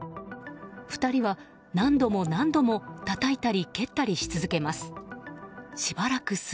２人は何度も何度もたたいたり蹴ったりし続けます。